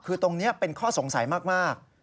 คือตรงนี้เป็นข้อสงสัยมาก